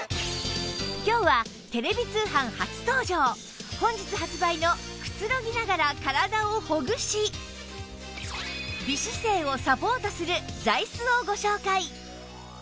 今日は本日発売のくつろぎながら体をほぐし美姿勢をサポートする座椅子をご紹介！